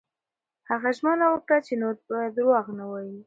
هغه ژمنه وکړه چې نور به درواغ نه وايي.